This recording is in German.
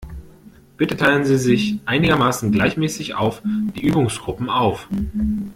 Bitte teilen Sie sich einigermaßen gleichmäßig auf die Übungsgruppen auf.